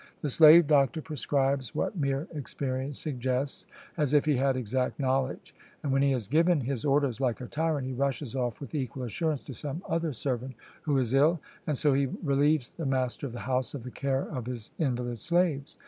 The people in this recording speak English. The slave doctor prescribes what mere experience suggests, as if he had exact knowledge; and when he has given his orders, like a tyrant, he rushes off with equal assurance to some other servant who is ill; and so he relieves the master of the house of the care of his invalid slaves.